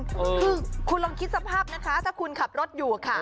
คือคุณลองคิดสภาพนะคะถ้าคุณขับรถอยู่ค่ะ